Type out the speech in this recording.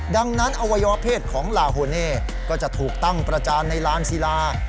ดังนั้นอวัยวะเพศของลาโฮเน่ก็จะถูกตั้งประจานในลานศิลา